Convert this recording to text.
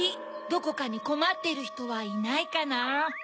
どこかにこまってるひとはいないかな？